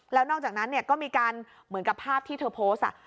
แล้วนอกจากนั้นก็มีการเหมือนกับภาพที่เธอโพสต์